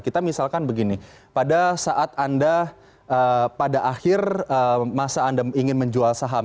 kita misalkan begini pada saat anda pada akhir masa anda ingin menjual saham